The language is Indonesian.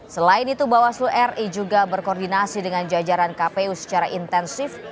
selain itu bawaslu ri juga berkoordinasi dengan jajaran kpu secara intensif